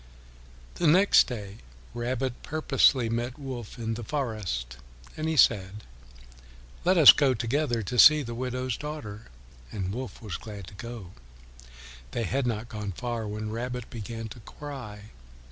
The next day Rabbit purposely met Wolf in the forest, and he said, "Let us go together to see the widow's daughter." And Wolf was glad to go. They had not gone far when Rabbit began to cry.